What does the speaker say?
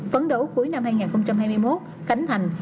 phấn đấu cuối năm hai nghìn hai mươi một khánh thành